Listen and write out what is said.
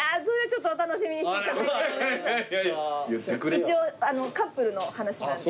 一応カップルの話なんで。